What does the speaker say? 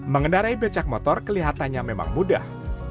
mengendarai becak motor kelihatannya memang mudah